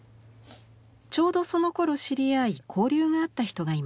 ちょうどそのころ知り合い交流があった人がいます。